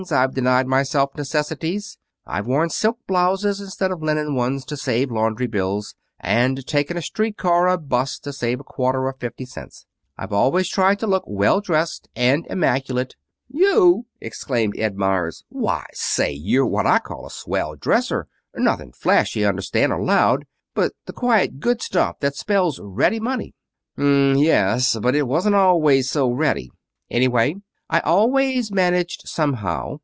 I've denied myself necessities. I've worn silk blouses instead of linen ones to save laundry bills and taken a street car or 'bus to save a quarter or fifty cents. I've always tried to look well dressed and immaculate " "You!" exclaimed Ed Meyers. "Why, say, you're what I call a swell dresser. Nothing flashy, understand, or loud, but the quiet, good stuff that spells ready money." "M m m yes. But it wasn't always so ready. Anyway, I always managed somehow.